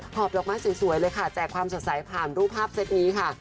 อบดอกไม้สวยเลยค่ะแจกความสดใสผ่านรูปภาพเซ็ตนี้ค่ะ